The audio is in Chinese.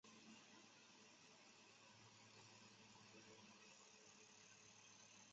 歌曲将于中国及世界各地播放。